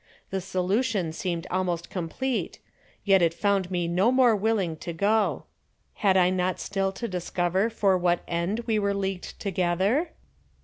The solution seemed almost complete, yet it found me no more willing to go. Had I not still to discover for what end we were leagued together?